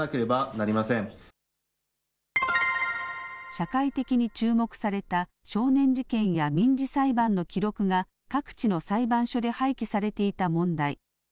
社会的に注目された少年事件や民事裁判の記録が各地の裁判所で廃棄されていた問題。